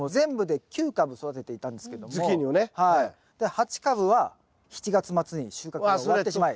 ８株は７月末に収穫が終わってしまい。